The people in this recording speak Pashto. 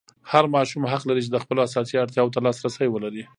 هر ماشوم حق لري چې د خپلو اساسي اړتیاوو ته لاسرسی ولري.